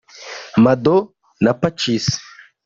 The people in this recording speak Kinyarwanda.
Mado na Pacis